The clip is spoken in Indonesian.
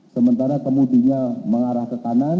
sementara kemudinya mengarah ke kanan